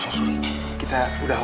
masuk kuliah dulu